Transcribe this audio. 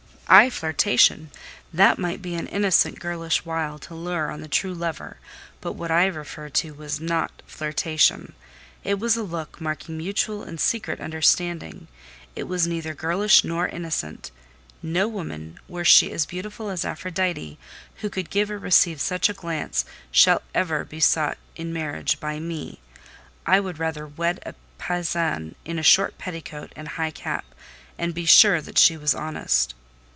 "Ay, flirtation! That might be an innocent girlish wile to lure on the true lover; but what I refer to was not flirtation: it was a look marking mutual and secret understanding—it was neither girlish nor innocent. No woman, were she as beautiful as Aphrodite, who could give or receive such a glance, shall ever be sought in marriage by me: I would rather wed a paysanne in a short petticoat and high cap—and be sure that she was honest."